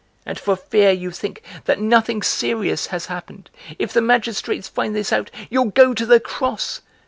And for fear you think that nothing serious has happened, if the magistrates find this out you'll go to the cross!